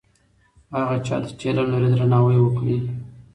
هغه چا ته چې علم لري درناوی وکړئ.